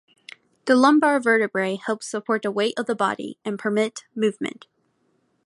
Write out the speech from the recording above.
The lumbar vertebrae help support the weight of the body, and permit movement.